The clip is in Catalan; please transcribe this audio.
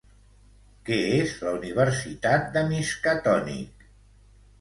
Què és la Universitat de Miskatonic?